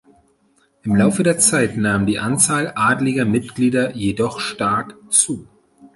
Im Laufe der Zeit nahm die Anzahl adliger Mitglieder jedoch stark zu.